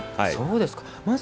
そうですか。